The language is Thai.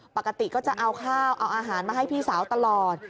ปกติก็จะเอาข้าวเอาอาหารมาให้พี่สาวตลอด